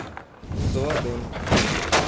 Soa bem